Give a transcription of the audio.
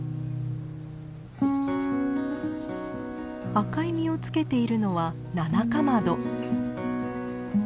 赤い実をつけているのはナナカマド。